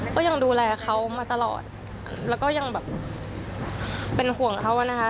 ก็ยังดูแลเขามาตลอดแล้วก็ยังแบบเป็นห่วงเขาอะนะคะ